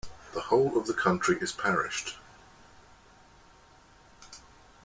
The whole of the county is parished.